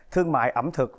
thương mại ẩm thực